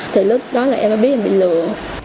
thì lúc đó là em đã biết em bị lừa